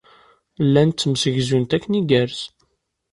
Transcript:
Llant ttemsegzunt akken igerrez.